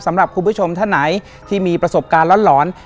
สำหรับคุณผู้ชมท่านไหนที่มีประสบการณ์หลอน